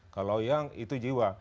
kalau yang itu jiwa